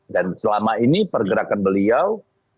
dan selama ini pergerakan beliau